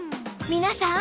皆さん！